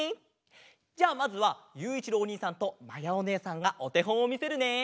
じゃあまずはゆういちろうおにいさんとまやおねえさんがおてほんをみせるね。